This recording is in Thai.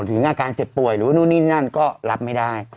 ถึงอาการเจ็บป่วยหรือนู่นนี่นั่นก็รับไม่ได้